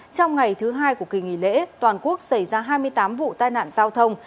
trong ngày thứ hai của kỳ nghỉ lễ toàn quốc xảy ra hai mươi tám vụ tai nạn giao thông